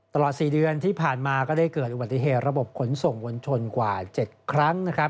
ตลอด๔เดือนที่ผ่านมาก็ได้เกิดอุบัติเหตุระบบขนส่งมวลชนกว่า๗ครั้งนะครับ